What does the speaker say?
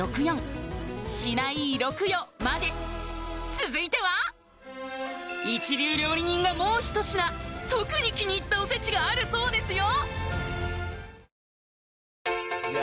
続いては一流料理人がもう一品特に気に入ったおせちがあるそうですよ